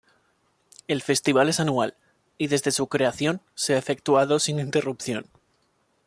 El Festival es anual y, desde su creación, se ha efectuado sin interrupción.